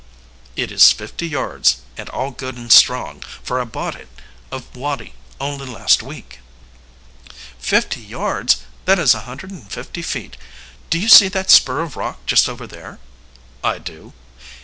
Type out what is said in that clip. "It is fifty yards, and all good and strong, for I bought it of Woddie only last week." "Fifty yards that is a hundred and fifty feet. Do you see that spur of rock just above there?" "I do."